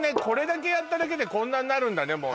これだけやっただけでこんなになるんだね